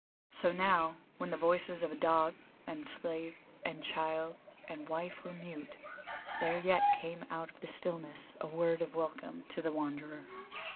So now, when the voices of dog, and slave, and child, and wife were mute, there yet came out of the stillness a word of welcome to the Wanderer.